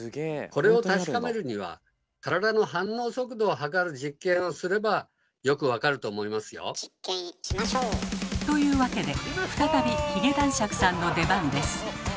これを確かめるには体の反応速度を測る実験をすればよく分かると思いますよ。というわけで再び髭男爵さんの出番です。